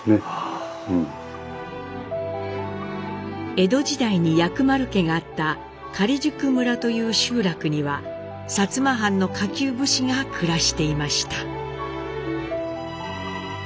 江戸時代に薬丸家があった假宿村という集落には薩摩藩の下級武士が暮らしていました。